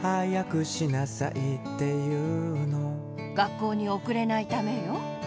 学校におくれないためよ。